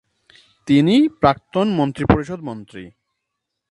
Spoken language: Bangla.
তিনি প্রাক্তন মন্ত্রিপরিষদ মন্ত্রী।